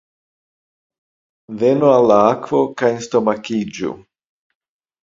Venu al la akvo, kaj enstomakiĝu!